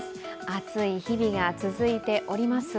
暑い日々が続いております。